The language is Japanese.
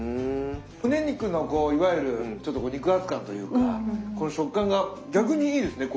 むね肉のこういわゆるちょっと肉厚感というかこの食感が逆にいいですね